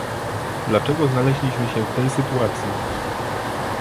Dlaczego znaleźliśmy się w tej sytuacji?